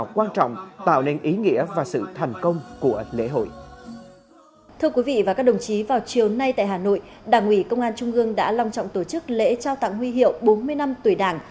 thưa quý vị và các đồng chí vào chiều nay tại hà nội đảng ủy công an trung ương đã long trọng tổ chức lễ trao tặng huy hiệu bốn mươi năm tuổi đảng